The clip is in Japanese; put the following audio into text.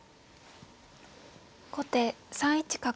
後手３一角。